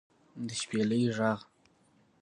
د شپېلۍ غږ